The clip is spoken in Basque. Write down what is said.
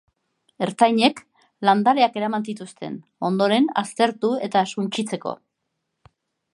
Ertzainek landareak eraman zituzten, ondoren aztertu eta suntsitzeko.